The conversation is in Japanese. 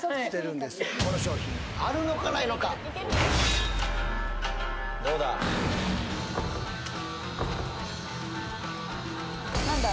この商品あるのかないのかどうだ何だ？